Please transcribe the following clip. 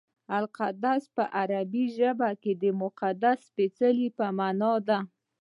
القدس په عربي ژبه کې د مقدس سپېڅلي په مانا دی.